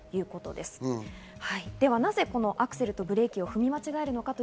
ではなぜアクセルとブレーキを踏み間違えるのか。